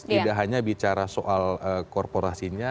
tidak hanya bicara soal korporasinya